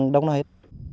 đâu nói hết